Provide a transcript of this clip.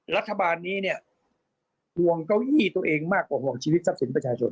รัฐบาลนี้วงเก้าอี้ตัวเองมากกว่าว่างชีวิตศัพประชาชน